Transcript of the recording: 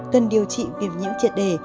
cần điều trị viêm nhiễm triệt đề